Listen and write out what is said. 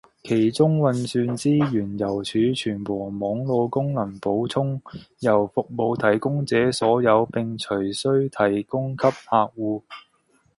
其中運算資源由儲存和網路功能補充，由服務提供者所有並隨需提供給客戶